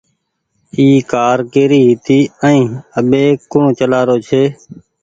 اي ڪآر ڪيري هيتي ائين اٻي ڪوڻ چلآرو ڇي۔